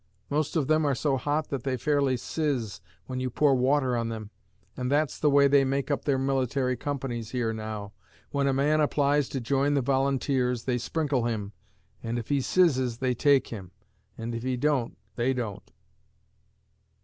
Most of them are so hot that they fairly siz when you pour water on them, and that's the way they make up their military companies here now when a man applies to join the volunteers they sprinkle him, and if he sizzes they take him, and if he don't they don't!